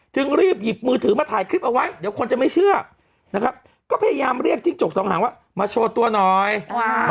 จึงลีบหยิบมือถือมาถ่ายคลิปเอาไว้เดี๋ยวคนจะไม่เชื่อนะครับ